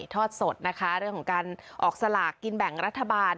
ทอดสดนะคะเรื่องของการออกสลากกินแบ่งรัฐบาล